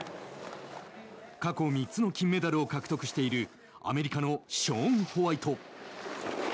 過去３つの金メダルを獲得しているアメリカのショーン・ホワイト。